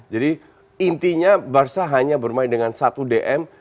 jadi intinya barca hanya bermain dengan satu dm